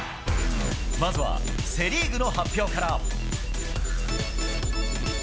まずは、セ・リーグの発表から。